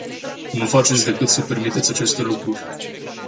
Nu faceți decât să permiteți aceste lucruri!